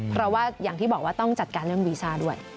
เพราะว่าอย่างที่บอกว่าต้องจัดการเรื่องวีซ่าด้วย